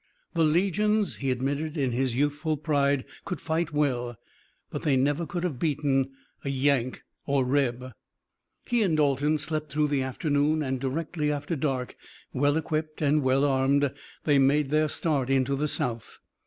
The legions, he admitted in his youthful pride, could fight well, but they never could have beaten Yank or Reb. He and Dalton slept through the afternoon and directly after dark, well equipped and well armed, they made their start into the South.